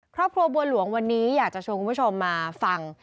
ครอบครัวบัวหลวงวันนี้อยากจะชวนคุณผู้ชมมาฟัง